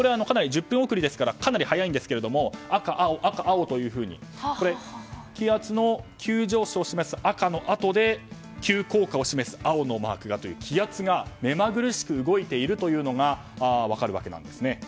１０分送りですからかなり早いんですけども赤、青、赤、青というふうに気圧の急上昇を示す赤のあとで急降下を示す青のマークがという気圧が目まぐるしく動いているのが分かるわけですね。